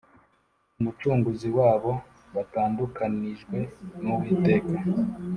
umucunguzi wabo , batandukanijwe n'uwiteka.